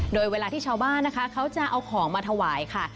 โดยเวลาที่ชาวบ้านนะคะเขาจะเอาของมาถวายค่ะ